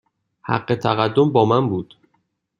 حق تقدم با من بود.